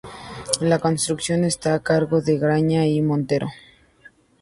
La construcción esta a cargo de Graña y Montero.